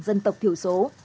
dân tộc thiểu số